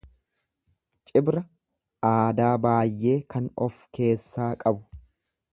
Cibra aadaa baayyee kan ofkeessaa qabu.